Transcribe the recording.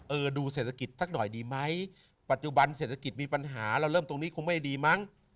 ดูเศรษฐกิจสักหน่อยดีไหมปัจจุบันเศรษฐกิจมีปัญหาเราเริ่มตรงนี้คงไม่ดีมั้ง